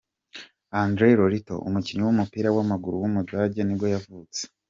André Laurito, umukinnyi w’umupira w’amaguru w’umudage nibwo yavutse.